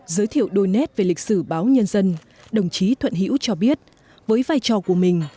giới thiệu đôi nét về lịch sử báo nhân dân đồng chí thuận hữu cho biết với vai trò của mình